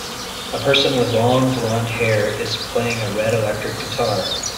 A person with long blondhair is playing a red electric guitar.